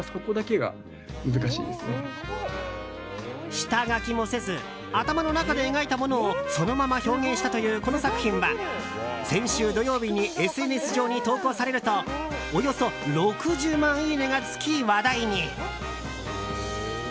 下書きもせず頭の中で描いたものをそのまま表現したというこの作品は先週土曜日にＳＮＳ上に投稿されるとおよそ６０万いいねがつき話題に。